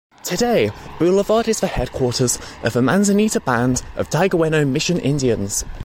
Today Boulevard is the headquarters of the Manzanita Band of Diegueno Mission Indians.